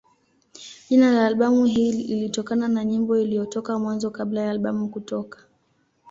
Jina la albamu hii lilitokana na nyimbo iliyotoka Mwanzo kabla ya albamu kutoka.